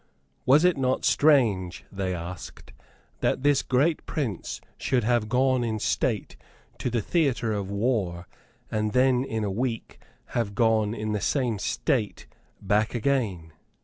Was it not strange, they asked, that this great prince should have gone in state to the theatre of war, and then in a week have gone in the same state back again?